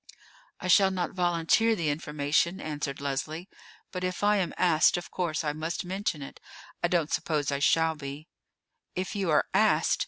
"I shall not volunteer the information," answered Leslie; "but if I am asked, of course I must mention it. I don't suppose I shall be." "If you are asked!"